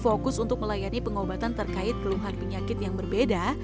fokus untuk melayani pengobatan terkait keluhan penyakit yang berbeda